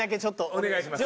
お願いします。